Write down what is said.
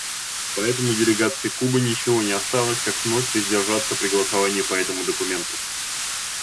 Поэтому делегации Кубы ничего не осталось, как вновь воздержаться при голосовании по этому документу.